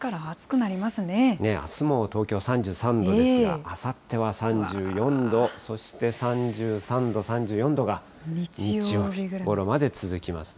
あすも東京３３度ですが、あさっては３４度、そして３３度、３４度が日曜日ごろまで続きますね。